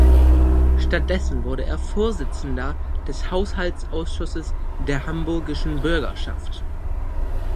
Stattdessen wurde er Vorsitzender des Haushaltsausschusses der Hamburgischen Bürgerschaft.